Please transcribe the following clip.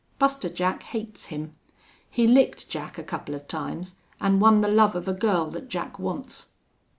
Buster Jack hates him. He licked Jack a couple of times an' won the love of a girl that Jack wants."